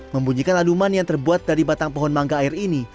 membunyikan laduman yang terbuat dari batang pohon mangga air ini